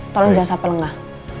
tolong jangan sampai lengah